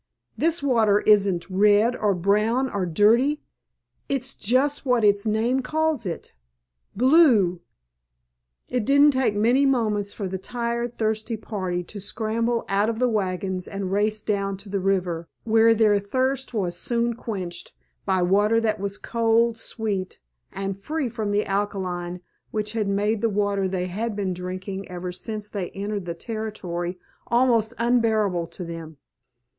This water isn't red or brown or dirty, it's just what its name calls it—blue!" It didn't take many moments for the tired, thirsty party to scramble out of the wagons and race down to the river, where their thirst was soon quenched by water that was cold, sweet, and free from the alkali which had made the water they had been drinking ever since they entered the Territory almost unbearable to them.